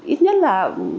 ít nhất là